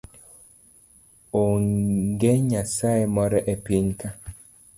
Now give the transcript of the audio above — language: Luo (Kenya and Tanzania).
Onge nyasaye moro e pinyka